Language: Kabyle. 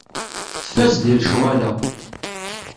Tfaz deg lecɣal-a.